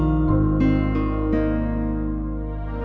opahnya nggak ada di situ